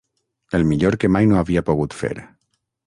El millor que mai no havia pogut fer.